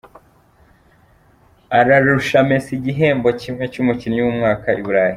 Ararusha Messi igihembo kimwe cy’umukinnyi w’umwaka i Burayi.